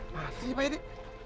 mas sih pak edi